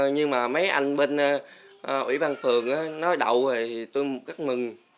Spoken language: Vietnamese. nhưng mà mấy anh bên ủy ban phường nói đậu thì tôi rất mừng